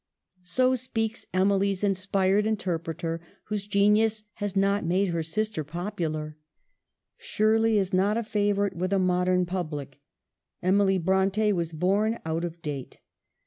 1 So speaks Emily's inspired interpreter, whose genius has not made her sister popular. ' Shir ley' is not a favorite with a modern public. Emily Bronte was born out of date.